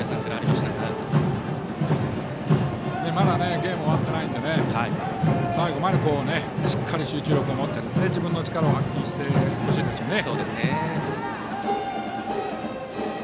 まだゲームは終わってないので最後までしっかり集中力を持って自分の力を発揮してほしいですね。